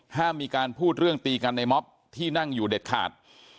ห้ามมีการพูดเรื่องตีกันในม็อบที่นั่งอยู่เด็ดขาด